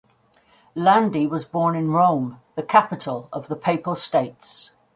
Landi was born in Rome, the capital of the Papal States.